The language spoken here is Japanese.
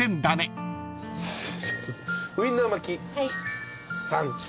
ウインナー巻３。